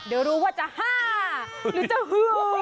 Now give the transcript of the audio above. เดี๋ยวรู้ว่าจะห้าหรือจะฮือ